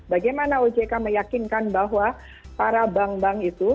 bagaimana ojk meyakinkan bahwa para bank bank itu